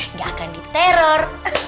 nggak akan diteror